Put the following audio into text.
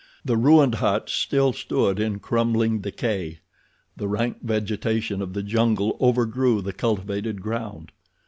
The ruined huts still stood in crumbling decay. The rank vegetation of the jungle overgrew the cultivated ground.